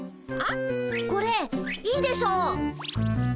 これいいでしょ。